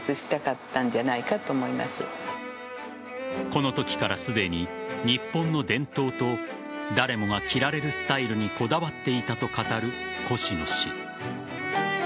このときからすでに日本の伝統と誰もが着られるスタイルにこだわっていたと語るコシノ氏。